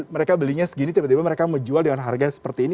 mereka belinya segini tiba tiba mereka menjual dengan harga seperti ini